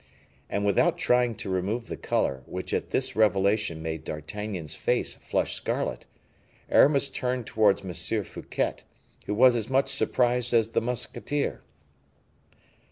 And without trying to remove the color which at this revelation made D'Artagnan's face flush scarlet, Aramis turned towards M. Fouquet, who was as much surprised as the musketeer.